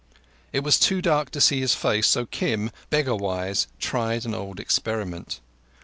It was too dark to see his face, so Kim, beggar wise, tried an old experiment.